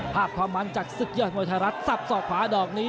ภาพความมันจากศึกยอดมวยไทยรัฐสับสอกขวาดอกนี้